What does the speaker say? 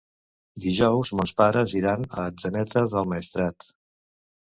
Dijous mons pares iran a Atzeneta del Maestrat.